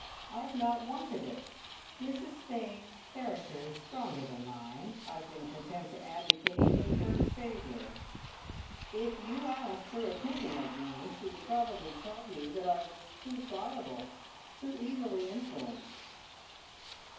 I have not wanted it. Mrs Fane's character is stronger than mine. I have been content to abdicate in her favour. If you asked her opinion of me, she would probably tell you that I was too pliable too easily influenced."